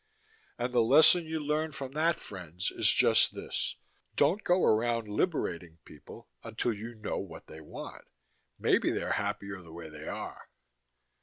And the lesson you learn from that, friends, is just this: don't go around liberating people until you know what they want. Maybe they're happier the way they are.